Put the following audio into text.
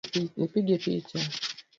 Nipige picha